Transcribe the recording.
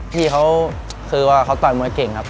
พี่เขาคือว่าเขาต่อยมวยเก่งครับ